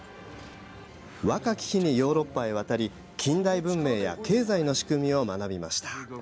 若き日にヨーロッパへ渡り近代文明や経済の仕組みを学びました。